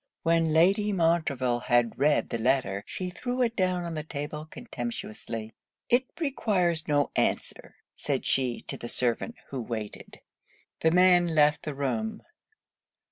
When Lady Montreville had read the letter, she threw it down on the table contemptuously. 'It requires no answer,' said she to the servant who waited. The man left the room.